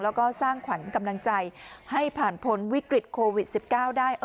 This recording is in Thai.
แล้วก็สร้างขวัญกำลังใจให้ผ่านพ้นวิกฤตโควิด๑๙ได้